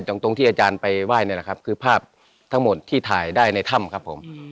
ตรงตรงที่อาจารย์ไปไหว้นี่แหละครับคือภาพทั้งหมดที่ถ่ายได้ในถ้ำครับผม